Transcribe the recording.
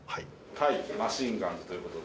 対マシンガンズということで。